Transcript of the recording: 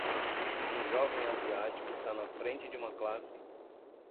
Um jovem asiático está na frente de uma classe